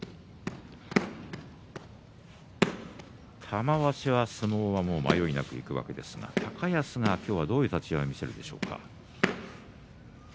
玉鷲は相撲、迷いなくいくわけですが高安が今日どういう立ち合いを見せるでしょうか。